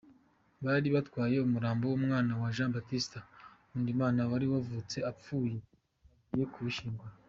Bari batwaye umurambo w’umwana wa Jean Baptiste Nkundimana wari wavutse apfuye bagiye kuwushyingura.